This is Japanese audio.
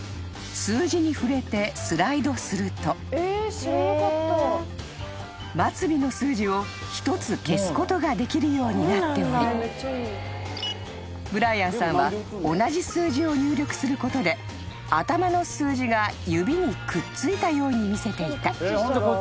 数字に触れてスライドすると末尾の数字を１つ消すことができるようになっておりブライアンさんは同じ数字を入力することで頭の数字が指にくっついたように見せていた］